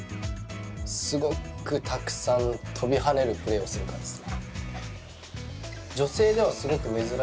すごくたくさん跳びはねるプレーをするからです。